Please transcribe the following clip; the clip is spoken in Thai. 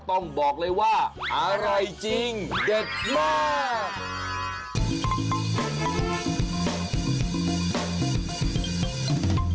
ต้องบอกเลยว่าอร่อยจริงเด็ดมาก